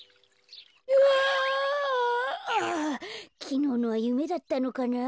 きのうのはゆめだったのかな？